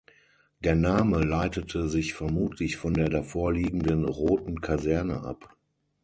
Der Name leitete sich vermutlich von der davor liegenden Roten Kaserne ab.